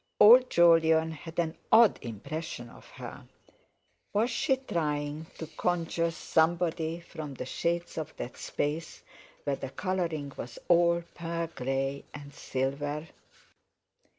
Old Jolyon had an odd impression of her. Was she trying to conjure somebody from the shades of that space where the colouring was all pearl grey and silver?